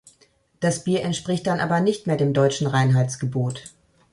Das Bier entspricht dann aber nicht mehr dem deutschen Reinheitsgebot.